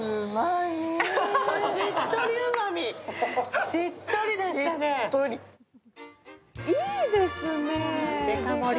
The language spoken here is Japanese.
いいですね、デカ盛り。